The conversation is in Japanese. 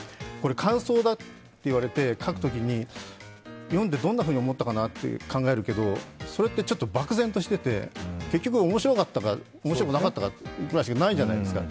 感想だって言われて書くときに、読んでどんなふうに思ったかなって考えるけど、それってちょっと漠然としていて、結局、面白かったか面白くなかったぐらいしかないじゃないですか。